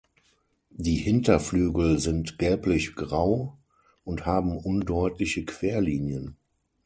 Die Hinterflügel sind gelblichgrau und haben undeutliche Querlinien.